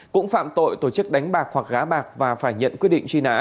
cũng phạm tội tổ chức đánh bạc hoặc gá bạc và phải nhận quyết định truy nã